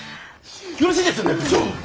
よろしいですよね部長。